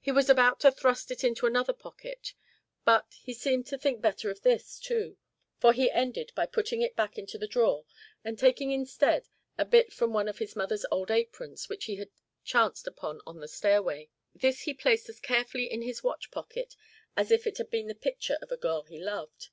He was about to thrust that into another pocket, but he seemed to think better of this, too, for he ended by putting it back into the drawer and taking instead a bit from one of his mother's old aprons which he had chanced upon on the stairway. This he placed as carefully in his watch pocket as if it had been the picture of a girl he loved.